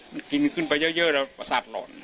มันกินขึ้นไปเยอะแล้วประสาทหล่อน